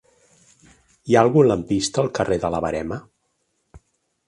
Hi ha algun lampista al carrer de la Verema?